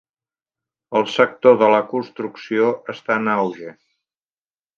El sector de la construcció està en auge.